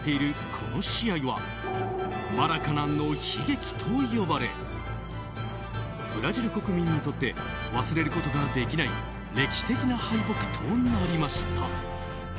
この試合はマラカナンの悲劇と呼ばれブラジル国民にとって忘れることができない歴史的な敗北となりました。